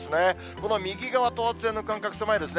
この右側、等圧線の間隔、狭いですね。